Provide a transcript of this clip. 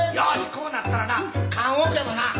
こうなったらな棺おけもな赤！